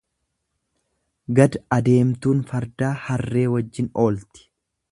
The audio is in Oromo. Gad adeemtuun fardaa harree wajjin oolti.